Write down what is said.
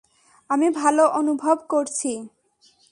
আমি ভালো অনুভব করছি।